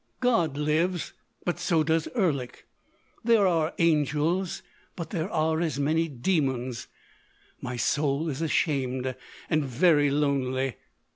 God lives. But so does Erlik. There are angels; but there are as many demons.... My soul is ashamed.... And very lonely